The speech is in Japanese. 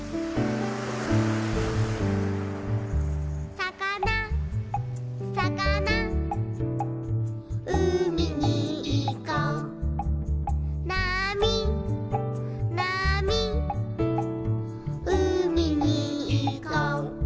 「さかなさかな」「うみにいこう」「なみなみ」「うみにいこう」